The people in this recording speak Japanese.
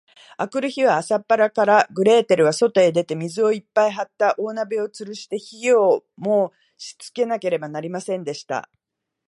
あくる日は、朝っぱらから、グレーテルはそとへ出て、水をいっぱいはった大鍋をつるして、火をもしつけなければなりませんでした。